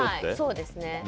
そうですね。